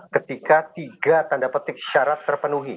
ketika tiga tanda petik syarat terpenuhi